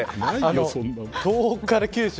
東北から九州。